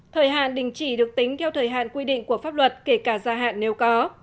thời hạn đình chỉ được tính theo thời hạn quy định của pháp luật kể cả gia hạn nếu có